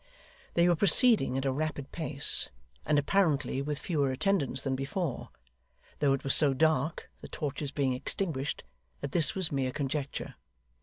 They were proceeding at a rapid pace, and apparently with fewer attendants than before, though it was so dark (the torches being extinguished) that this was mere conjecture.